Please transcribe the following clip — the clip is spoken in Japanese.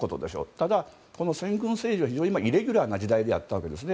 ただ、先軍政治は非常にイレギュラーな時代だったわけですね。